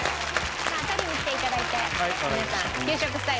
さあ取りに来て頂いて皆さん給食スタイル。